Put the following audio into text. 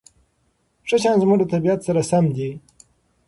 ښه شیان زموږ د طبیعت سره سم دي.